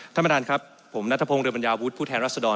ท่านประธานครับผมนัทพงศ์เรือบรรยาวุฒิผู้แทนรัศดร